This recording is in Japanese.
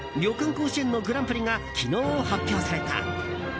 甲子園のグランプリが昨日、発表された。